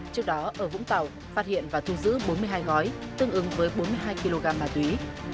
trước đó ở vũng tàu phát hiện và thu giữ bốn mươi hai gói tương ứng với bốn mươi hai kg ma túy